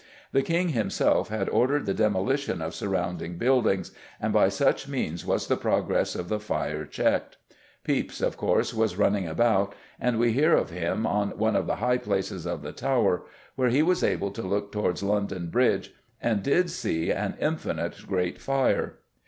The King himself had ordered the demolition of surrounding buildings, and by such means was the progress of the fire checked; Pepys, of course, was running about, and we hear of him "on one of the high places of the Tower" where he was able to look towards London Bridge and did see "an infinite great fire."